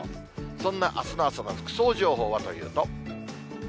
そんなあすの朝の服装情報はというと。